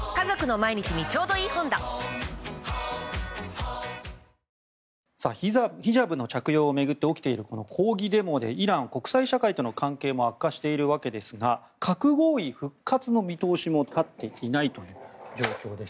東京海上日動ヒジャブの着用を巡って起きているこの抗議デモでイラン、国際社会との関係も悪化しているわけですが核合意復活の見通しも立っていないという状況です。